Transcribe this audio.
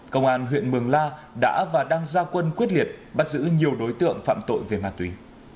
công an huyện mường la đã và đang gia quân quyết liệt bắt giữ nhiều đối tượng phạm tội về ma túy